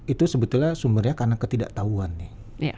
itu sebetulnya sumbernya karena ketidaktahuan nih